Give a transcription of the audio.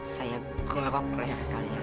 saya gerok leher kalian